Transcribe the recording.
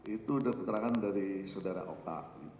itu keterangan dari saudara oka